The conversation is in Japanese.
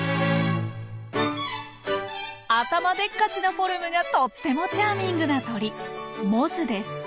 頭でっかちなフォルムがとってもチャーミングな鳥モズです。